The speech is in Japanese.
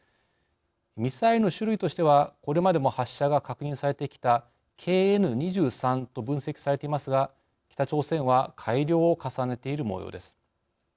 ミサイルの種類としてはこれまでも発射が確認されてきたＫＮ２３と分析されていますが北朝鮮は改良を重ねているもようです。